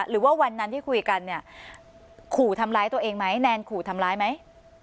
หรือว่าวันนั้นที่คุยกันเนี่ยขู่ทำร้ายตัวเองไหมแนนขู่ทำร้ายไหม